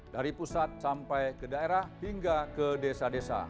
dari pusat sampai ke daerah hingga ke desa desa